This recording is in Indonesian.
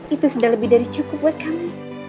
tapi ini itu sudah lebih dari cukup buat kami